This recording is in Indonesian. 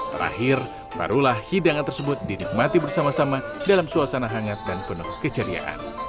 terakhir barulah hidangan tersebut dinikmati bersama sama dalam suasana hangat dan penuh keceriaan